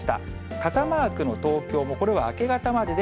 傘マークの東京も、これは明け方までで、